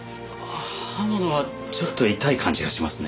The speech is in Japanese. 刃物はちょっと痛い感じがしますね。